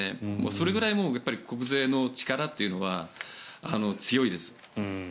それくらい国税の力というのは強いです。